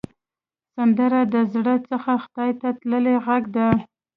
سندره د زړه څخه خدای ته تللې غږ ده